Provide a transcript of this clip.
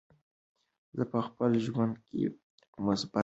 زه په خپل ژوند کې مثبت بدلون غواړم.